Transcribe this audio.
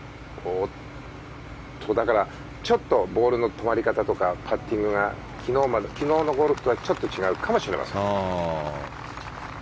ちょっとボールの止まり方とかパッティングが昨日のゴルフとはちょっと違うかもしれません。